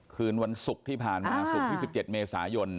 คืนวันศุกร์ที่ผ่านมาศุกร์ที่๑๗เมษายน